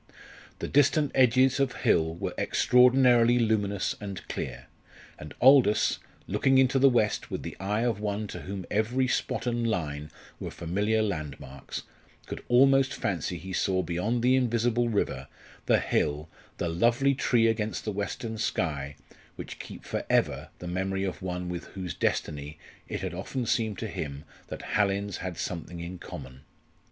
The distant edges of hill were extraordinarily luminous and clear, and Aldous, looking into the west with the eye of one to whom every spot and line were familiar landmarks, could almost fancy he saw beyond the invisible river, the hill, the "lovely tree against the western sky," which keep for ever the memory of one with whose destiny it had often seemed to him that Hallin's had something in common.